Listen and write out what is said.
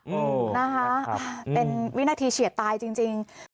อืมนะคะเป็นวินาทีเฉียดตายจริงจริง